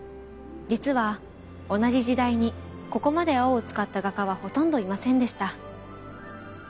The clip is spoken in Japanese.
実は同じ時代にここまで青を使った画家はほとんどいませんでした。